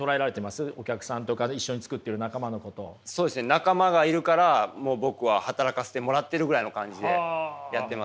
仲間がいるからもう僕は働かせてもらってるぐらいの感じでやってます。